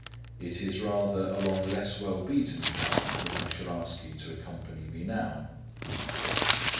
It is rather along less well beaten paths that I shall ask you to accompany me now.